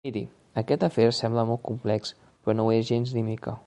Miri, aquest afer sembla molt complex però no ho és gens ni mica.